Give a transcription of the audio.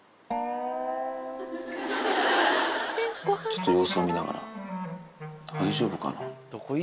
ちょっと様子を見ながら、大丈夫かな。